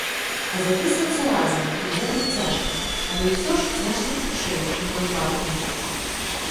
А запісвацца разам, хоць гэта і цяжка, але ўсё ж значна хутчэй, чым унакладку.